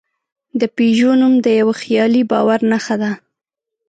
د پيژو نوم د یوه خیالي باور نښه ده.